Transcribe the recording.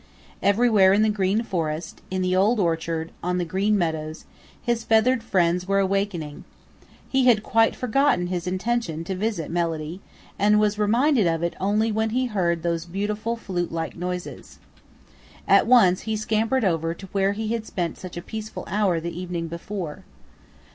Everywhere in the Green Forest, in the Old Orchard, on the Green Meadows, his feathered friends were awakening. He had quite forgotten his intention to visit Melody and was reminded of it only when again he heard those beautiful flute like notes. At once he scampered over to where he had spent such a peaceful hour the evening before.